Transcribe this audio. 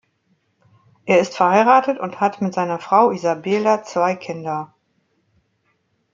Er ist verheiratet und hat mit seiner Frau Izabela zwei Kinder.